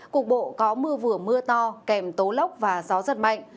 cuộc bộ có mưa vừa mưa to kèm tố lốc và gió rất mạnh